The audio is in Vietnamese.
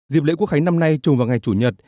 dịp lễ quốc khánh năm nay trùng vào ngày chủ nhật